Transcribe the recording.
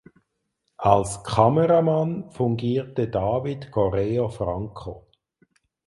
Als Kameramann fungierte David Correo Franco.